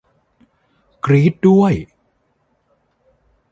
กรี๊ดด้วย !